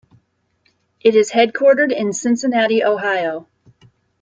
It is headquartered in Cincinnati, Ohio.